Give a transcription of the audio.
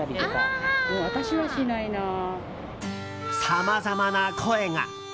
さまざまな声が。